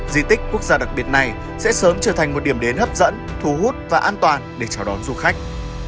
di tích quốc gia đặc biệt này sẽ sớm trở thành một điểm đến hấp dẫn thú hút và an toàn để chào đón du khách